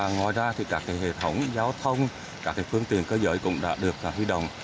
ngoài ra các hệ thống giao thông các phương tiện cơ giới cũng đã được huy động